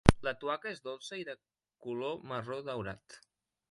La tuaca és dolça i de color marró daurat.